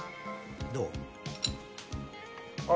どう？